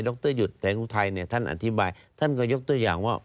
รหยุดแสงอุทัยเนี่ยท่านอธิบายท่านก็ยกตัวอย่างว่า